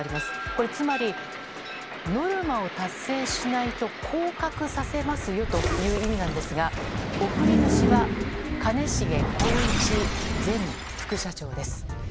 これ、つまりノルマを達成しないと降格させますよという意味なんですが送り主は兼重宏一前副社長です。